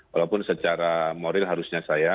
walaupun secara moral harusnya saya